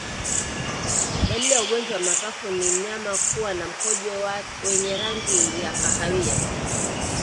Dalili ya ugonjwa wa mapafu ni mnyama kuwa na mkojo wenye rangi ya kahawia